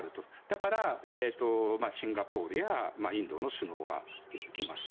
だからシンガポールやインドの首脳は来ます。